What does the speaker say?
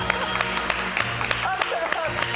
ありがとうございます。